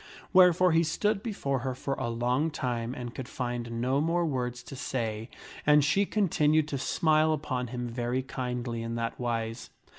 Wherefore he stood before her for a long time and could find no more words to say, and she continued to smile upon him very kindly in that wise.